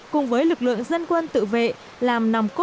cùng với lực lượng dân quân tự vệ làm nòng cốt